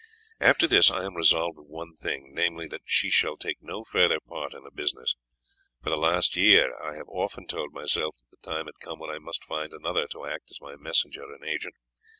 After this I am resolved of one thing, namely, that she shall take no further part in the business. For the last year I had often told myself that the time had come when I must find another to act as my messenger and agent.